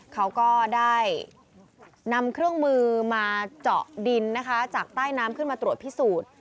เขาก็ได้นำเครื่องมือมาเจาะดินนะคะจากใต้น้ำขึ้นมาตรวจพิสูจน์